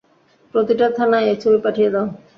প্রতিটা থানায় এই ছবি পাঠিয়ে দাও।